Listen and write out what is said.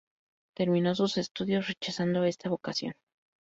Terminó sus estudios rechazando esta vocación.